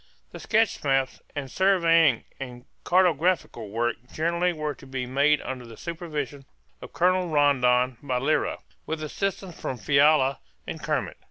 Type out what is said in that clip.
The sketch maps and surveying and cartographical work generally were to be made under the supervision of Colonel Rondon by Lyra, with assistance from Fiala and Kermit.